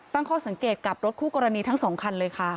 ตั้งข้อสังเกตกับรถคู่กรณีทั้งสองคันเลยค่ะ